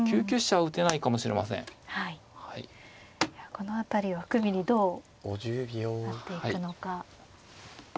この辺りを含みにどうなっていくのか。